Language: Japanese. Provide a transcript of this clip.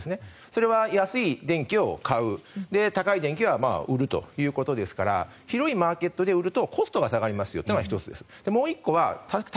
それは安い電気を買う高い電気を売るということですから広いマーケットで売るとコストが下がるのが１つ。